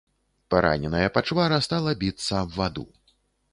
Параненая пачвара стала біцца аб ваду.